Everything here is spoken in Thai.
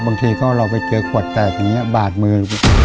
บางทีก็เราไปเจอขวดแตกอย่างนี้บาดมือ